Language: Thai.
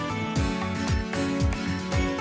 วงสัตี่ที่สมอง